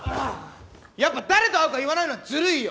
やっぱ誰と会うか言わないのはずるいよ。